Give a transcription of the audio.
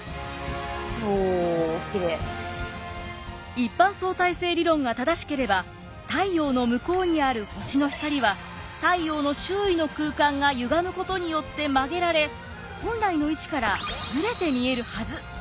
一般相対性理論が正しければ太陽の向こうにある星の光は太陽の周囲の空間がゆがむことによって曲げられ本来の位置からズレて見えるはず。